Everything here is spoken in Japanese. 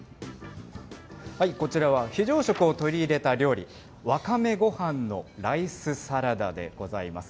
こちらは非常食を取り入れた料理、わかめご飯のライスサラダでございます。